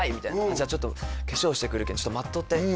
「じゃあちょっと化粧してくるけ待っとって」